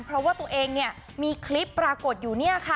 เพราะว่าตัวเองมีคลิปปรากฏอยู่